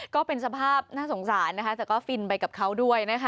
ก็เป็นสภาพน่าสงสารนะคะแต่ก็ฟินไปกับเขาด้วยนะคะ